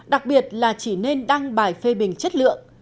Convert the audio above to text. đặc biệt là chỉ nên đăng bài phê bình chất lượng